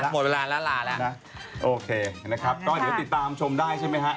โอเคนะครับก็เหลือติดตามชมได้ใช่มั้ยครับ